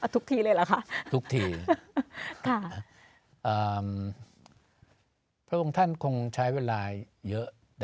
ทุกทีเลยเหรอคะทุกทีพระองค์ท่านคงใช้เวลาเยอะ